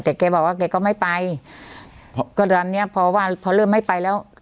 แต่แกบอกว่าแกก็ไม่ไปก็ตอนเนี้ยพอว่าพอเริ่มไม่ไปแล้ว